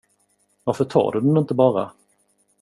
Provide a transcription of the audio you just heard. Varför tar du den inte bara?